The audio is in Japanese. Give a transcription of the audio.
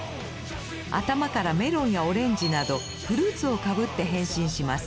頭からメロンやオレンジなどフルーツをかぶって変身します。